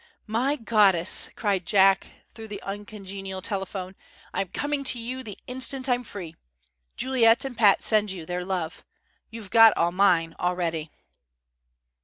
"My goddess!" cried Jack through the uncongenial telephone. "I'm coming to you the instant I'm free. Juliet and Pat send you their love. You've got all mine already."